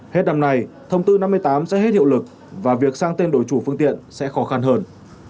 hết năm nay thông tư năm mươi tám sẽ hết hiệu lực và việc sang tên đổi chủ phương tiện sẽ khó khăn hơn